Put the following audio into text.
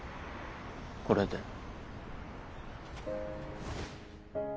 これで。